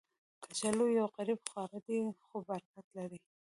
کچالو یو غریب خواړه دی، خو برکت لري